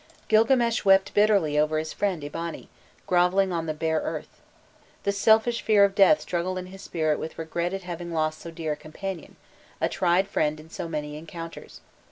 "Gilgames wept bitterly over his friend Eabani, grovelling on the bare earth." The selfish fear of death struggled in his spirit with regret at having lost so dear a companion, a tried friend in so many encounters.